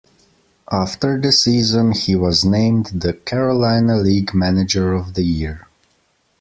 After the season, he was named the Carolina League Manager of the Year.